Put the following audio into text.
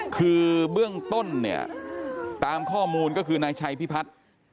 คือเบื้องต้นเนี่ยตามข้อมูลก็คือนายชัยพิพัฒน์